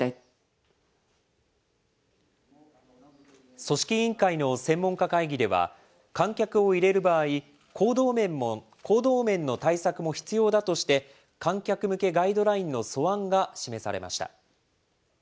組織委員会の専門家会議では、観客を入れる場合、行動面の対策も必要だとして、観客向けガイドラインの素案が示されました。